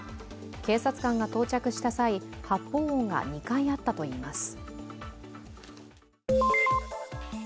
警察官が到着した際、発砲音が２回あったといいます。